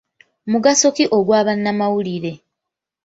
Mugaso ki ogwa bannamawulire?